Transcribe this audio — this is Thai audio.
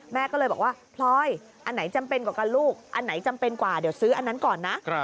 แม่ก็เลยบอกว่าพลอยอันไหนจำเป็นกว่ากันลูกอันไหนจำเป็นกว่าเดี๋ยวซื้ออันนั้นก่อนนะ